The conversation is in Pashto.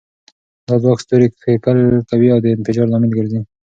دا ځواک ستوري کښیکښل کوي او د انفجار لامل ګرځي.